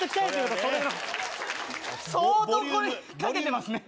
相当これにかけてますね。